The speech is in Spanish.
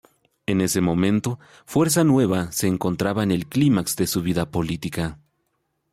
En ese momento, Fuerza Nueva se encontraba en el clímax de su vida política.